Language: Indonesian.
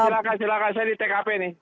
silahkan silakan saya di tkp nih